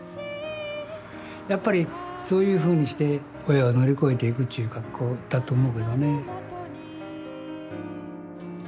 やっぱりそういうふうにして親を乗り越えていくという格好だと思うけどね。